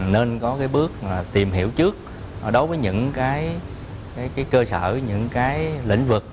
nên có bước tìm hiểu trước đối với những cơ sở những lĩnh vực